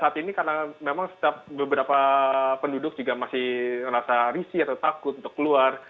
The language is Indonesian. yang sudah buka kembali dan saat ini karena memang setiap beberapa penduduk juga masih merasa risih atau takut untuk keluar